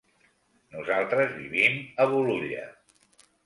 Nosaltres vivim a Bolulla.